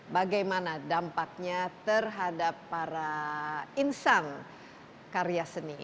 bagaimana dampaknya terhadap para insan karya seni